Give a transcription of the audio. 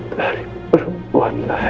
dari perempuan lain